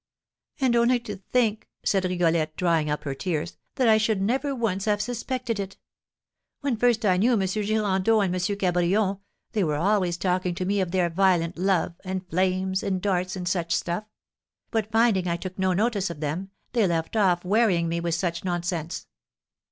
"And only to think," said Rigolette, drying up her tears, "that I should never once have suspected it! When first I knew M. Girandeau and M. Cabrion, they were always talking to me of their violent love, and flames, and darts, and such stuff; but finding I took no notice of them, they left off wearying me with such nonsense.